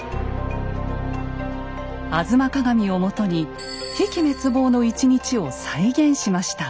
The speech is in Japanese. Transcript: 「吾妻鏡」をもとに「比企滅亡の１日」を再現しました。